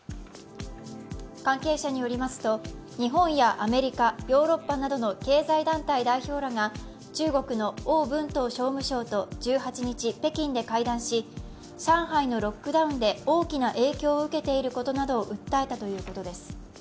関係者によりますと、日本やアメリカ、ヨーロッパなどの経済団体代表らが中国の王文濤商務相と１８日、北京で会談し、上海のロックダウンで大きな影響を受けていることなどを訴えたということです。